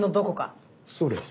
そうです。